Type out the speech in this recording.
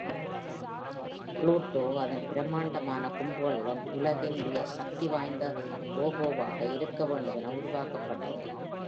Pluto, அதன் பிரமாண்டமான கொம்புகளுடன், உலகின் மிக சக்திவாய்ந்த ரோபோவாக இருக்க வேண்டும் என உருவாக்கப்பட்டது.